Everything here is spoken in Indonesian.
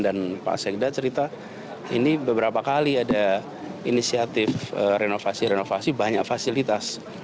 dan pak sekda cerita ini beberapa kali ada inisiatif renovasi renovasi banyak fasilitas